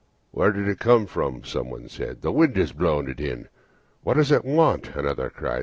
"Where did it come from?" someone said. " The wind has blown it in." "What does it want?" another cried.